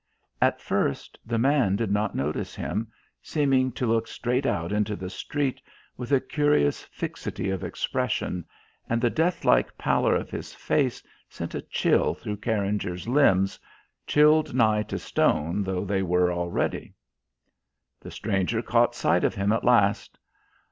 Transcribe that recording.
At first the man did not notice him, seeming to look straight out into the street with a curious fixity of expression, and the death like pallor of his face sent a chill through Carringer's limbs, chilled nigh to stone though they were already. The stranger caught sight of him at last.